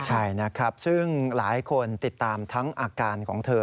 ใช่นะครับซึ่งหลายคนติดตามทั้งอาการของเธอ